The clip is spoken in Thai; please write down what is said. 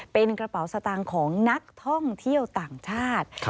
เป็นกระเป๋าสตางค์ของนักท่องเที่ยวต่างชาติ